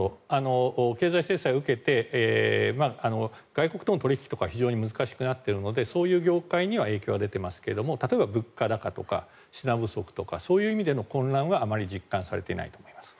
経済制裁を受けて外国との取引とかは非常に難しくなっているのでそういう業界には影響が出ていますが例えば物価高とか品不足とかそういう意味での混乱はあまり実感されていないと思います。